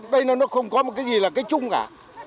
đây nó không có một cái gì là cái chung cả